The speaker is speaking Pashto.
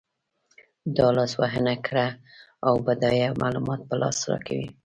دا لاسوندونه کره او بډایه معلومات په لاس راکوي.